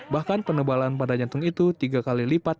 bahkan penebalan pada jantung itu tiga kali lipat